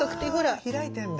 あ開いてんだ。